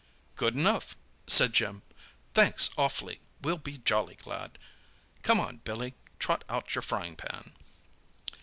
"Good enough!" said Jim. "Thanks, awfully—we'll be jolly glad. Come on, Billy—trot out your frying pan!"